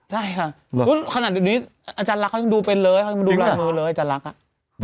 ใช่ค่ะขนาดเดี๋ยวนี้อาจารย์รักเขายังดูเป็นเลยเขายังดูลายมือเลยอาจารย์รักอ่ะ